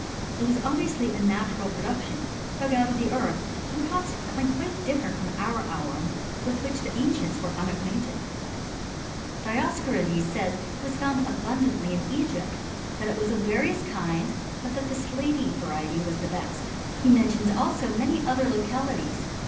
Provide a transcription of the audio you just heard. It was obviously a natural production, dug out of the earth, and consequently quite different from our alum, with which the ascieats were uiiacqvxml^^« 104 HISTORY OF CREMISTET. Dioscorides says that it was found abundantly ia Egypt ; that it was of various kinds, but that the slaty variety was the best. He mentions also many other localities.